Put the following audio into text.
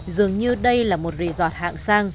dường như đây là một resort hạng xa